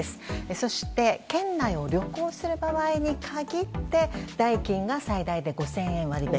そして県内を旅行する場合に限って代金が最大で５０００円割引。